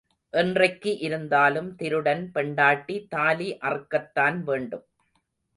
என்றைக்கு இருந்தாலும் திருடன் பெண்டாட்டி தாலி அறுக்கத்தான் வேண்டும்.